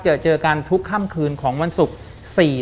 เจอเจอกันทุกค่ำคืนของวันศุกร์